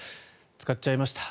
使っちゃいました